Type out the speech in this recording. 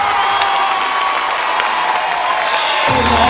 นักสู้ชีวิตแต่ละคนก็ฝ่าฟันและสู้กับเพลงนี้มากก็หลายรอบ